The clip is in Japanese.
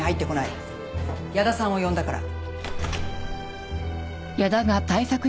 屋田さんを呼んだから。